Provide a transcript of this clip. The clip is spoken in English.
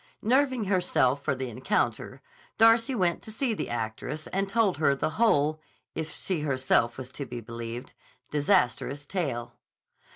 Nerving herself for the encounter, Darcy went to see the actress and told her the whole (if she herself was to be believed) disastrous tale.